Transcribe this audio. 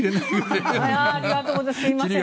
ありがとうございます。